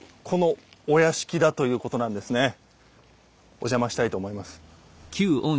お邪魔したいと思います。